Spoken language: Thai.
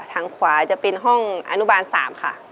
ทางขวาจะเป็นห้องอนุบาล๓ค่ะ